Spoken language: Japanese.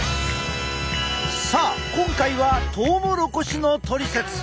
さあ今回はトウモロコシのトリセツ。